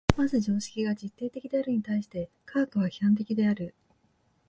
まず常識が実定的であるに対して科学は批判的である。